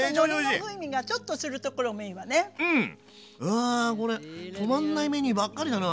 わこれ止まんないメニューばっかりだな！